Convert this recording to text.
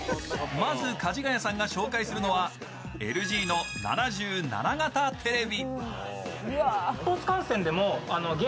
まず、かじがやさんが紹介するのはＬＧの７７型テレビ。